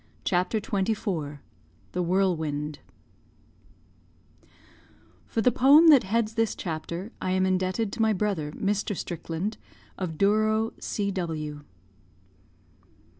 CHAPTER XXIV THE WHIRLWIND [For the poem that heads this chapter, I am indebted to my brother, Mr. Strickland, of Douro, C.W.